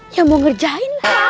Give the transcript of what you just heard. ya mau ngerjain lah